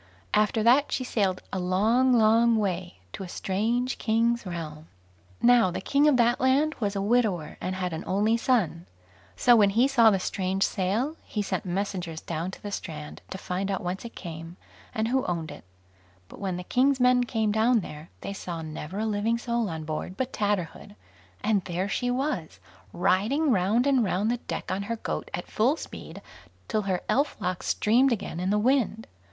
After that she sailed a long, long way, to a strange king's realm. Now the king of that land was a widower, and had an only son. So when he saw the strange sail, he sent messengers down to the strand to find out whence it came, and who owned it; but when the king's men came down there, they saw never a living soul on board but Tatterhood, and there she was, riding round and round the deck on her goat at full speed, till her elf locks streamed again in the wind.